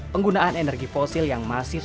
penggunaan energi fosil yang masing masing